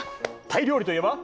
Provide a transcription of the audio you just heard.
タイ料理といえば？